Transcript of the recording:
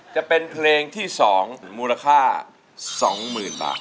จะเป็นเพลงที่๒มูลค่า๒๐๐๐บาท